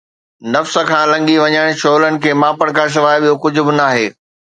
نفس کان لنگهي وڃڻ، شعلن کي ماپڻ کان سواءِ ٻيو ڪجهه به ناهي